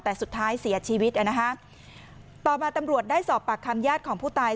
แต่สุดท้ายเสียชีวิตต่อมาตำรวจได้สอบปากคำญาติของผู้ตาย